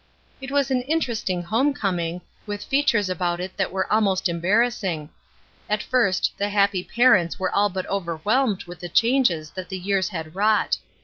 It was an interesting home coming, with fea tures about it that were almost embarrassing. At first the happy parents were all but overwhelmed with the changes that the years had wrought.